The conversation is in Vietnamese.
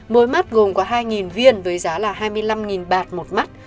mỗi mắt gồm có hai viên với giá là hai mươi năm bạt một mắt